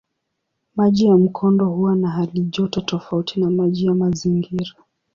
Maji ya mkondo huwa na halijoto tofauti na maji ya mazingira.